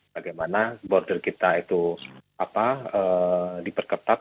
bagaimana border kita itu diperketat